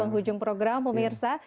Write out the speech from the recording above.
penghujung program pemirsa